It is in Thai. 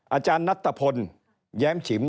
อาจารย์นัทธพล์แยมขิม